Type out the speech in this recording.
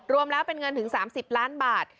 รวมแล้วเป็นเงินถึง๓๐ล้านบาท